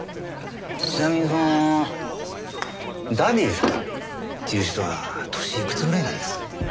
ちなみにそのダディさんっていう人は年いくつぐらいなんです？